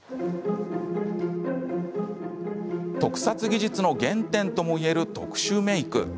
特撮技術の原点ともいえる特殊メーク。